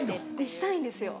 したいんですよ。